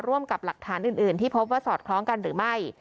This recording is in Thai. กับหลักฐานอื่นที่พบว่าสอดคล้องกันหรือไม่